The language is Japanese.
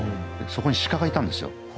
そこに鹿がいたんですよ